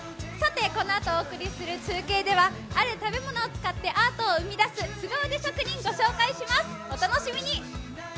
このあとお送りする中継ではある食べ物を使ってアートを生み出すすご腕職人をご紹介します、お楽しみに。